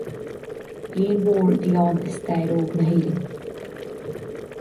Bliain mhór a bhí ann i stair óg na hÉireann.